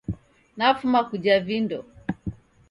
Nafuma kuja vindo